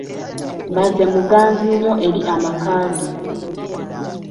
Baze muganzi nnyo eri amaka ge.